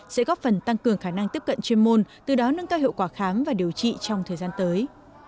sẽ góp phần tăng cường khả năng tiếp cận chuyên môn từ đó nâng cao hiệu quả khám và điều trị trong thời gian tới